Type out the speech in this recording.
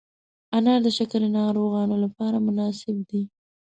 انار د شکر ناروغانو لپاره مناسب دی.